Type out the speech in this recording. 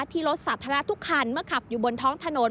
รถสาธารณะทุกคันเมื่อขับอยู่บนท้องถนน